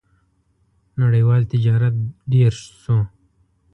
• نړیوال تجارت ډېر شو.